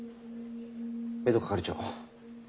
江戸係長。